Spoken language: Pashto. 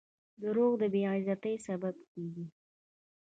• دروغ د بې عزتۍ سبب کیږي.